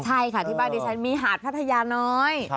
ใช่ค่ะที่บ้านดิฉันมีหาดพัทยาน้อย